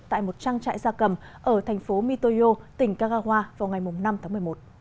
tại một trang trại gia cầm ở thành phố mitoyo tỉnh kagawa vào ngày năm tháng một mươi một